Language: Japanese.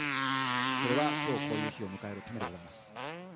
それはきょう、こういう日を迎えるためでございます。